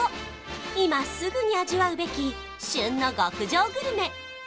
今すぐに味わうべき旬の極上グルメ